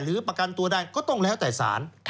ประกันตัวได้ก็ต้องแล้วแต่สาร